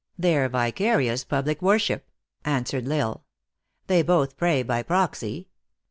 " Their vicarious public worship," answered L lsle. " They both pray by proxy.